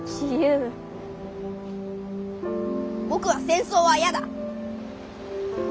僕は戦争はやだ。